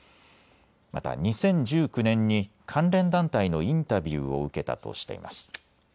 また２０１９年に関連団体のインタビューを受けたとしています。